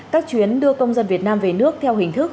các chuyến đưa công dân việt nam về nước theo hình thức